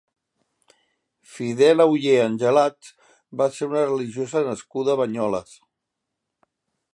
Fidela Oller Angelats va ser una religiosa nascuda a Banyoles.